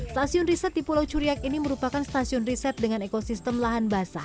stasiun riset di pulau curiak ini merupakan stasiun riset dengan ekosistem lahan basah